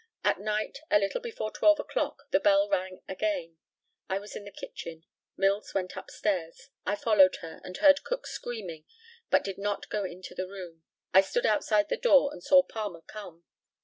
At night, a little before twelve o'clock, the bell rang again. I was in the kitchen. Mills went up stairs. I followed her, and heard Cook screaming, but did not go into the room. I stood outside the door and saw Palmer come.